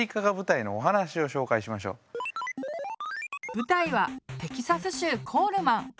舞台はテキサス州コールマン。